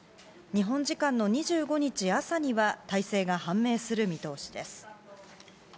日本時間の２５日朝には、大勢が判明する見通しです。